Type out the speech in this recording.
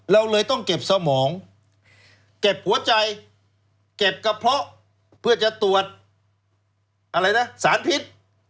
เราเลยต้องเก็บสมองเก็บหัวใจเก็บกระเพาะเพื่อจะตรวจอะไรนะสารพิษ